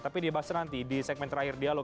tapi dia bahas nanti di segmen terakhir dialog